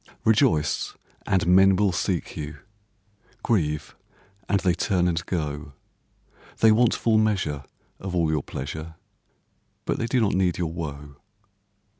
Rejoice, and men will seek you; Grieve, and they turn and go; They want full measure of all your pleasure, But they do not need your woe.